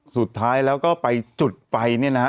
สุดท้ายแล้วก็ไปจุดไฟเนี่ยนะฮะ